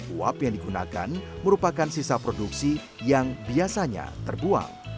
uap yang digunakan merupakan sisa produksi yang biasanya terbuang